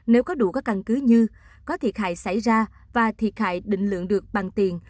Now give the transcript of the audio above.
nếu có đủ các căn cứ như có thiệt hại xảy ra và thiệt hại định lượng được bằng tiền